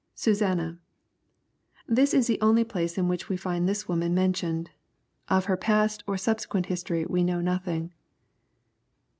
[/S'twawna.] This is the only place in which we find this woman mentioned. Of her past or subsequent history we know nothing.